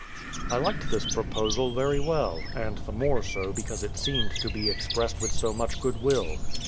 I liked this proposal very well; and the more so because it seemed to be expressed with so much goodwill.